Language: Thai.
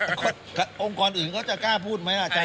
ไปเหมือนอาจารย์เขาไปปลดล่ะองค์กรอื่นก็จะกล้าพูดไหมอาจารย์